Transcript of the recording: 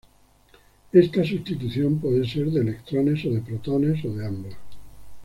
Esta sustitución puede ser de electrones o de protones o de ambos.